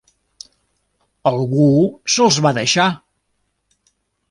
Algú se'ls va deixar.